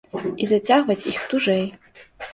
І зацягваць іх тужэй.